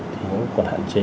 thì nó còn hạn chế